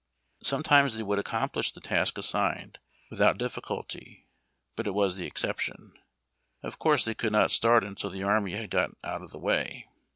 Sometimes they would accomplish the task assigned without difficulty, but it was the exception. Of course, they could not start until the army had got out of the way.